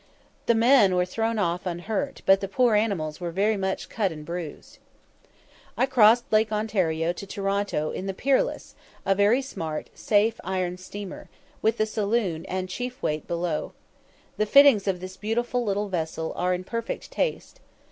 The men were thrown off unhurt, but the poor animals were very much cut and bruised. I crossed Lake Ontario to Toronto in the Peerless, a very smart, safe, iron steamer, with the saloon and chief weight below. The fittings of this beautiful little vessel are in perfect taste.